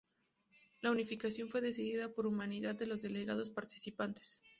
La unificación fue decidida por unanimidad de los delegados participantes.